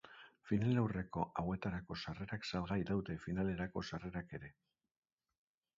Finalaurreko hauetarako sarrerak salgai daude finalerako sarrerak ere.